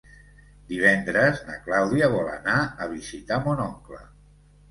Divendres na Clàudia vol anar a visitar mon oncle.